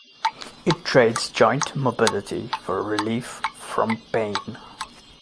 It trades joint mobility for relief from pain.